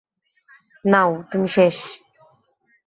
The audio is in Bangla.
নাও, তুমি শেষ।